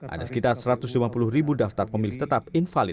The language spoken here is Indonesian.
ada sekitar satu ratus lima puluh ribu daftar pemilih tetap invalid